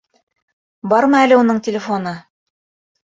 Бармы әле уның телефоны?